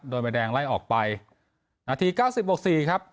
ใบแดงไล่ออกไปนาทีเก้าสิบบวกสี่ครับ